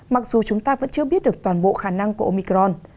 mặc dù chúng ta vẫn chưa biết được toàn bộ khả năng của omicron